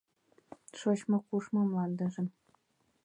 Шочмо-кушмо мландыжым